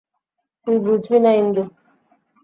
তুই বুঝবি না, ইন্দু।